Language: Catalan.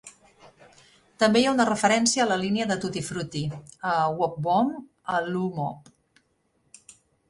També hi ha una referència a la línia de "Tutti Frutti", "A wop-bom a loo-mop".